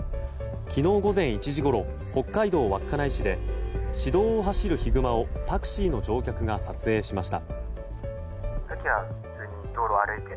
昨日午前１時ごろ北海道稚内市で市道を走るヒグマをタクシーの乗客が撮影しました。